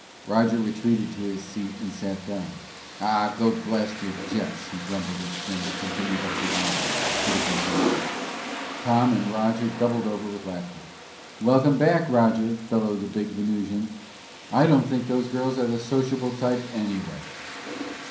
Roger retreated to his seat and sat down. "Ah, go blast your jets," he grumbled as Simms continued up the aisle to the control deck. Tom and Astro doubled over with laughter. "Welcome back, Roger," bellowed the big Venusian. "I don't think those girls are the sociable type, anyway."